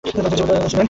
তিনি জীবিত ছিলেন।